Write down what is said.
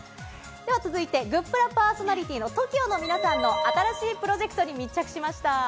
では続いて、グップラパーソナリティーのＴＯＫＩＯの皆さんの新しいプロジェ